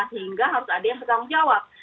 sehingga harus ada yang bertanggung jawab